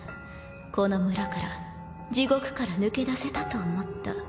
この村から地獄から抜け出せたと思った。